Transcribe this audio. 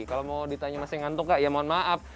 kalau mau ditanya masih ngantuk kak ya mohon maaf